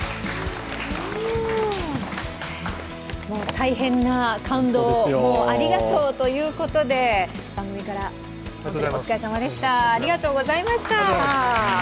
大変な感動をありがとうということで、番組から、お疲れさまでした。